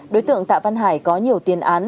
đối tượng tạ văn hải có nhiều tiền án